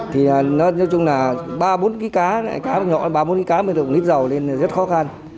thì nó nói chung là ba bốn kg cá cá nhỏ ba bốn kg cá mới được nít dầu lên rất khó khăn